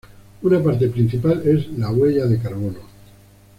Una parte principal es la huella de carbono.